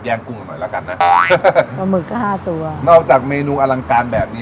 แย่งกุ้งหน่อยนะขมึกก็๕ตัวนอกจากเมนูอลังการแบบนี้